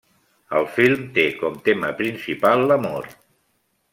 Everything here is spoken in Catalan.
El film té com tema principal l'amor.